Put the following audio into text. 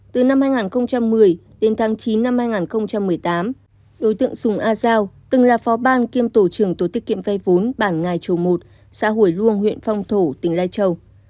từ năm hai nghìn một mươi đến tháng chín năm hai nghìn một mươi tám đối tượng sùng a giao từng là phó ban kiêm tổ trưởng tổ tiết kiệm vay vốn bản ngài trù một xã hủy luông huyện phong thổ tỉnh lai châu